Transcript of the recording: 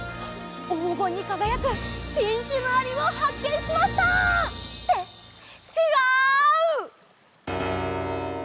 おうごんにかがやくしんしゅのありをはっけんしました！ってちがう！